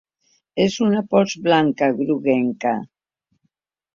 És una pols blanca groguenca.